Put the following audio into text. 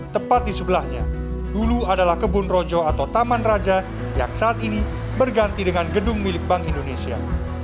tepat di sebelahnya dulu adalah kebun rojo atau taman raja yang saat ini berganti dengan gedung milik bank indonesia